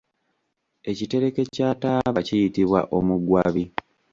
Ekitereke kya taaba kiyitibwa omugwabi.